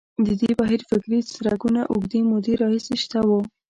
د دې بهیر فکري څرکونه اوږدې مودې راهیسې شته وو.